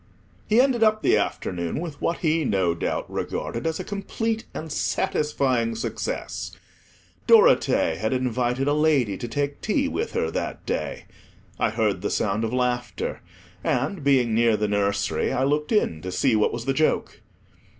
He ended up the afternoon with what he no doubt regarded as a complete and satisfying success. Dorothea had invited a lady to take tea with her that day. I heard the sound of laughter, and, being near the nursery, I looked in to see what was the joke.